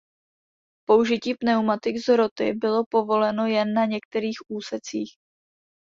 Použití pneumatik s hroty bylo povoleno jen na některých úsecích.